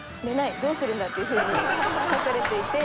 どうするんだ！」っていう風に書かれていて。